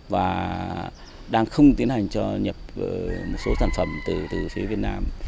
và đang không tiến hành cho nhập một số sản phẩm từ phía việt nam